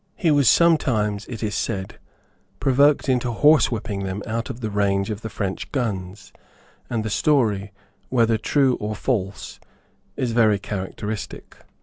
He was sometimes, it is said, provoked into horsewhipping them out of the range of the French guns; and the story, whether true or false, is very characteristic.